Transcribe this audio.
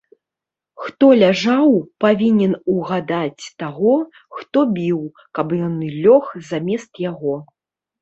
Хто ляжаў, павінен угадаць таго, хто біў, каб ён лёг замест яго.